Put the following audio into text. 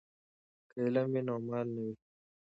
که علم وي نو مال نه وي.